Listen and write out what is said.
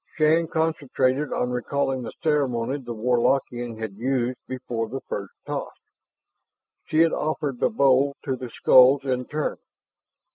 Shann concentrated on recalling the ceremony the Warlockian had used before the first toss. She had offered the bowl to the skulls in turn.